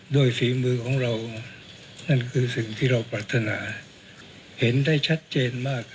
ฝีมือของเรานั่นคือสิ่งที่เราปรารถนาเห็นได้ชัดเจนมาก